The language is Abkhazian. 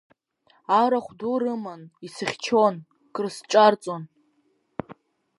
Арахә ду рыман, исыхьчон, крысҿарҵон.